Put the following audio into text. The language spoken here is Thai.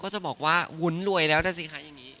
จะบอกว่าวุ้นรวยแล้วนะสิคะอย่างนี้